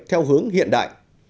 theo hướng hiện đại